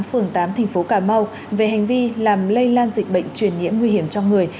phường tám thành phố cà mau về hành vi làm lây lan dịch bệnh truyền nhiễm nguy hiểm trong người